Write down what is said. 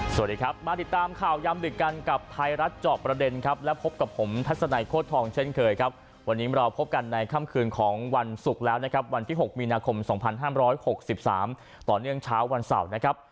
สวัสดีครับมาติดตามข่าวยามดึกกันกับไทยรัฐเจาะประเด็นครับและพบกับผมทัศนัยโค้ดทองเช่นเคยครับวันนี้เราพบกันในค่ำคืนของวันศุกร์แล้วนะครับวันที่๖มีนาคม๒๕๖๓ต่อเนื่องเช้าวันเสาร์นะครับ